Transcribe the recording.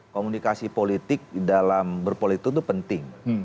komunikasi politik dalam berpolitik itu penting